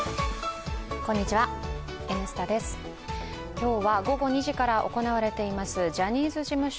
今日は午後２時から行われていますジャニーズ事務所